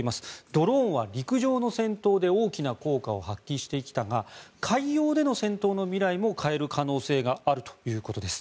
ドローンは陸上の戦闘で大きな効果を発揮してきたが海洋での戦闘の未来も変える可能性があるということです。